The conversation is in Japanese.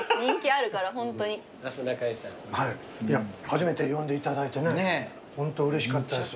初めて呼んでいただいてねホントうれしかったです。